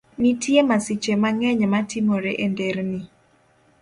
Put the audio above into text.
Nitie masiche mang'eny matimore e nderni.